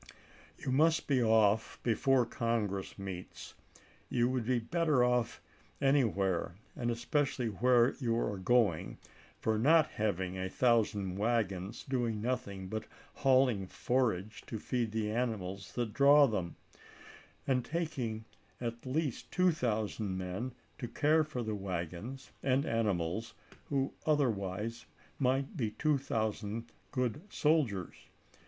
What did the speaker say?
You must be off before Congress meets. You would be better off anywhere, and especially where you are going, for not having a thousand wagons doing nothing but hauling forage to feed the animals that draw them, and taking at least two thousand POET HUDSON 313 men to care for the wagons and animals who other chap. xi. wise might be two thousand good soldiers.